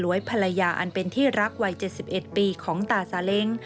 ภรรยาอันเป็นที่รักวัย๗๑ปีของตาสาเล้ง